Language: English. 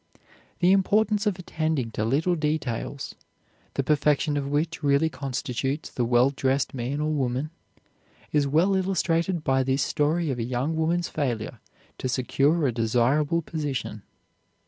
The importance of attending to little details the perfection of which really constitutes the well dressed man or woman is well illustrated by this story of a young woman's failure to secure a desirable position.